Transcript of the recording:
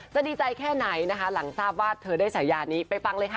ดีใจแค่ไหนนะคะหลังทราบว่าเธอได้ฉายานี้ไปฟังเลยค่ะ